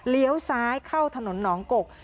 เลี้ยวซ้ายเข้าถนนหนองกก